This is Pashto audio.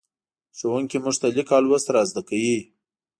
ښوونکی موږ ته لیک او لوست را زدهکوي.